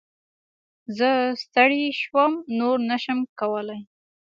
زه ستړی شوم ، نور نه شم کولی !